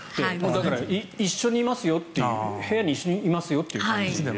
だから一緒にいますよって部屋に一緒にいますよという感じですね。